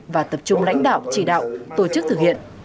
và tập trung lãnh đạo chỉ đạo tổ chức thực hiện